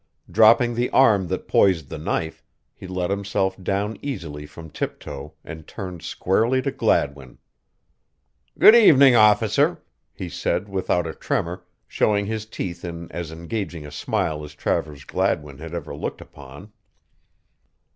Dropping the arm that poised the knife, he let himself down easily from tiptoe and turned squarely to Gladwin. "Good evening, Officer," he said without a tremor, showing his teeth in as engaging a smile as Travers Gladwin had ever looked upon.